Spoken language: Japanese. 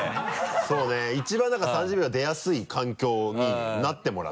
そうね一番だから３０秒出やすい環境になってもらって。